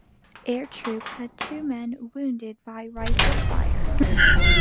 Air Troop had two men wounded by rifle fire.